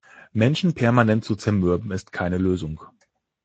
Menschen permanent zu zermürben ist keine Lösung.